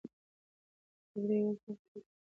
جګړه یوازې تباهي راوړي.